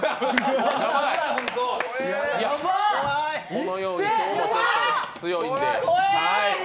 このように今日もちょっと強いので。